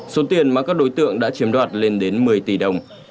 số tiền mà các đối tượng đã chiếm đoạt lên đến một mươi tỷ đồng